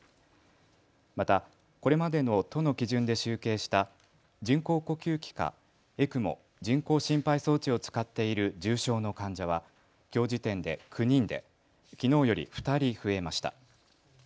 また、これまでの都の基準で集計した人工呼吸器かＥＣＭＯ・人工心肺装置を使っている重症の患者はきょう時点で９人できのうより２人増えました。